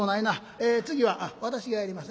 え次は私がやります。